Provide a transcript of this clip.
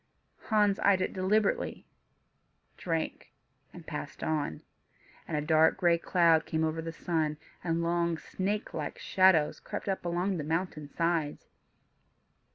Hans eyed it deliberately, drank, and passed on. And a dark gray cloud came over the sun, and long, snake like shadows crept up along the mountain sides.